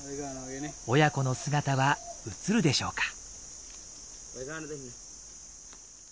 親子の姿は写るでしょうか。